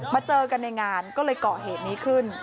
เจอกันในงานก็เลยเกาะเหตุนี้ขึ้น